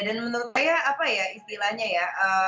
dan menurut saya apa ya istilahnya ya